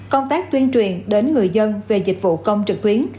công tác tuyên truyền đến người dân về dịch vụ công trực tuyến